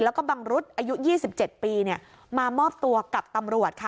แล้วก็บังรุษอายุยี่สิบเจ็ดปีเนี่ยมามอบตัวกับตำรวจค่ะ